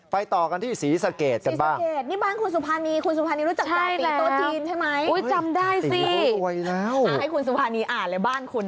ไปต่อกันที่สีสะเกดกันบ้างนี่บ้านคุณสุภานีคุณสุภานีรู้จักจ่าตีโต๊ะตีนใช่ไหมจำได้สิอ่ะให้คุณสุภานีอ่านเลยบ้านคุณ